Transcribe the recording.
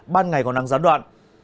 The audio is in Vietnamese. ban ngày còn nắng gián đoạn